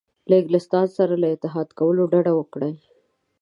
له انګلستان سره له اتحاد کولو ډډه وکړي.